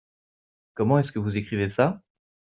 Comment est-ce que vous écrivez ça ?